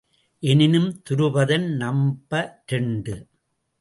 எனினும் துருபதன் நம்ப இரண்டு.